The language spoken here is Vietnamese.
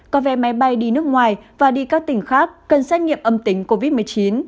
có vé máy bay đi nước ngoài và đi các tỉnh khác cần xét nghiệm âm tính covid một mươi chín